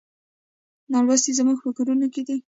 نالوستي زموږ په کورونو کې دي.